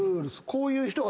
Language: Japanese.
こういう人が。